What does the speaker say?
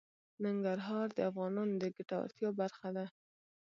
ننګرهار د افغانانو د ګټورتیا برخه ده.